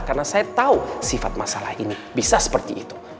karena saya tahu sifat masalah ini bisa seperti itu